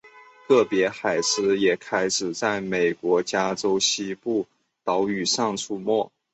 个别海狮也开始在美国加州西部岛屿上出没。